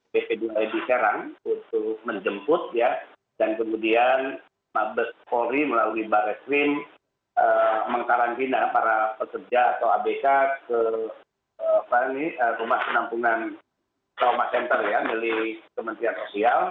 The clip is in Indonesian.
bp dua e di serang untuk menjemput dan kemudian mabes polri melalui barreskrim mengkarantina para pekerja atau abk ke rumah penampungan trauma center ya milik kementerian sosial